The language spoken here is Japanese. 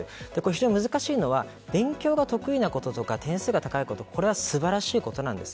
非常に難しいのは勉強が得意なこととか点数が高いことこれは素晴らしいことなんです。